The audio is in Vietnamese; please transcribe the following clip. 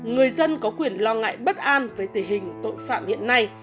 người dân có quyền lo ngại bất an với tình hình tội phạm hiện nay